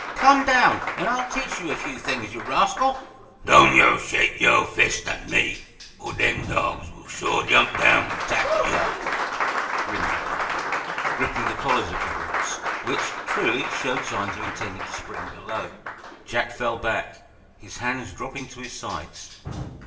"Come down, and I'll teach you a few things, you rascal!" "Don' yo' shake yo' fist at me, or dem dawgs will sure jump down and tackle yo'," grinned the guide, gripping at the collars of the brutes, which, truly, showed signs of intending to spring below. Jack fell back, his hands dropping to his sides.